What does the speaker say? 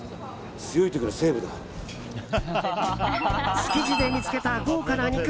築地で見つけた豪華な肉。